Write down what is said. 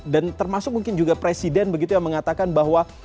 dan termasuk mungkin juga presiden begitu yang mengatakan bahwa